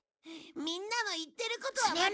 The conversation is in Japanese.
みんなの言ってることは間違いで。